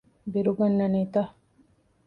ބިރު ގަންނަނީތަ؟